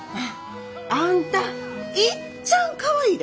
あんたいっちゃんかわいいで！